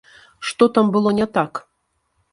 Што там было не так?